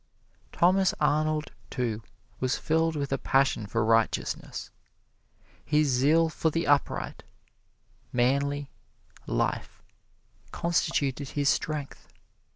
Thomas Arnold, too, was filled with a passion for righteousness. His zeal for the upright, manly life constituted his strength.